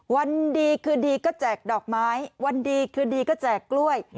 วันดีคืนดีก็แจกดอกไม้วันดีคืนดีก็แจกกล้วย